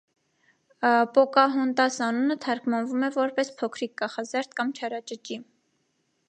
Պոկահոնտաս անունը թարգմանվում է որպես «փոքրիկ կախազարդ» կամ «չարաճճի»։